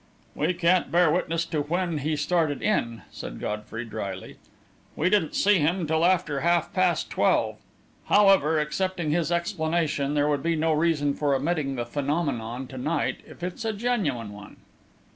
"We can't bear witness to when he started in," said Godfrey, drily. "We didn't see him till after half past twelve. However, accepting his explanation, there would be no reason for omitting the phenomenon to night, if it's a genuine one."